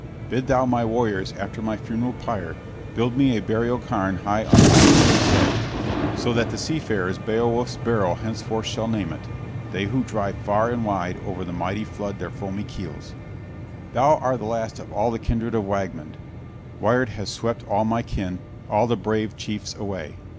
Bid thou my warriors after my funeral pyre Build me a burial cairn high on the sea cliff's head; So that the seafarers Beowulf's Barrow Henceforth shall name it, they who drive far and wide Over the mighty flood their foamy keels. Thou art the last of all the kindred of Wagmund! Wyrd has swept all my kin, all the brave chiefs away!